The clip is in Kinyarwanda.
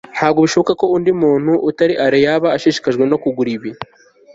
ntabwo bishoboka ko undi muntu utari alain yaba ashishikajwe no kugura ibi